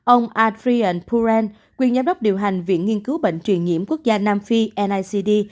ông adrian puren quyên giám đốc điều hành viện nghiên cứu bệnh truyền nhiễm quốc gia nam phi nicd